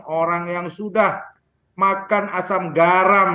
orang yang sudah makan asam garam